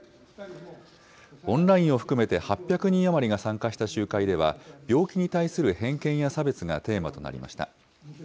オンラインを含めて８００人余りが参加した集会では、病気に対する偏見や差別がテーマとなりました。